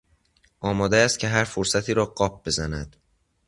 آماده است که هر فرصتی را قاپ بزند.